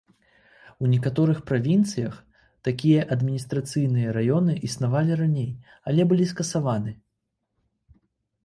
У некаторых правінцыях такія адміністрацыйныя раёны існавалі раней, але былі скасаваны.